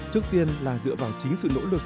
trước tiên là dựa vào chính sự nỗ lực